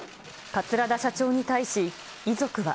桂田社長に対し、遺族は。